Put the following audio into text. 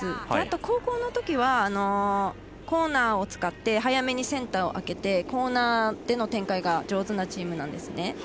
あとは後攻のときはコーナーを使って早めにセンターをあけてコーナーでの展開が上手なチームなんですね。